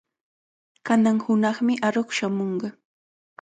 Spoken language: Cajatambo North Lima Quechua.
Kanan hunaqmi aruq shamunqa.